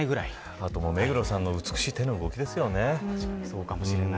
あとは目黒さんの美しい手の動きですよね。